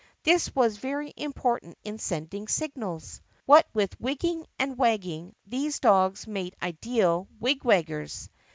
This was very important in sending signals. What with wigging and wagging these dogs made ideal wigwaggers.